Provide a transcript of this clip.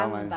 nah nah nah